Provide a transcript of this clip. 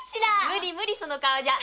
無理無理その顔じゃ。